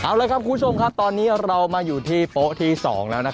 เอาละครับคุณผู้ชมครับวันนี้มาอยู่ที่ปลาทูที่๒แล้ว